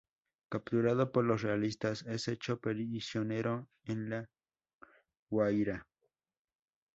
Capturado por los realistas es hecho prisionero en La Guaira.